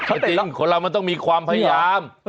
แต่จริงคนเรามันต้องมีความพยายาม